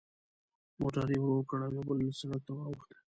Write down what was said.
موټر یې ورو کړ او یوه بل سړک ته واوښت.